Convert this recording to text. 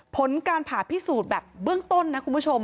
ผลการผ่าพิสูจน์แบบเบื้องต้นนะคุณผู้ชม